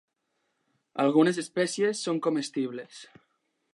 Algunes espècies són comestibles.